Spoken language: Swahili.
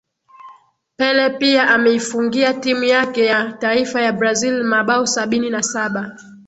Pele pia ameifungia timu yake ya taifa ya Brazil mabao sabini na Saba